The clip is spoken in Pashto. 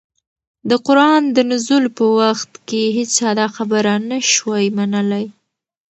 د قرآن د نزول په وخت كي هيچا دا خبره نه شوى منلى